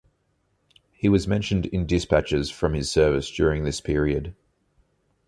He was mentioned in despatches for his service during this period.